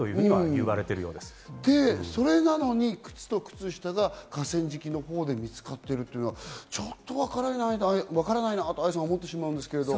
それなのに靴と靴下が河川敷のほうで見つかってるというのは、ちょっとわからないと愛さん、思ってしまうんですが。